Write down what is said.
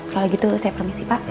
kalau gitu saya permisi pak